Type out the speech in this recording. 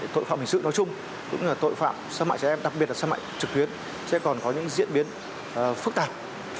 tội phạm hình sự nói chung cũng như tội phạm xâm hại trẻ em đặc biệt là xâm hại trực tuyến sẽ còn có những diễn biến phức tạp